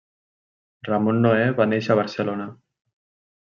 Ramon Noè va néixer a Barcelona.